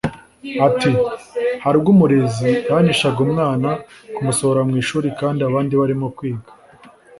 Ati “ Hari ubwo umurezi yahanishaga umwana kumusohora mu ishuri kandi abandi barimo kwiga